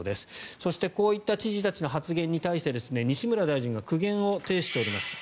そして、こういった知事たちの発言に対して西村大臣が苦言を呈しております。